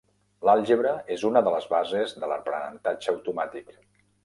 L'àlgebra és una de les bases de l'aprenentatge automàtic.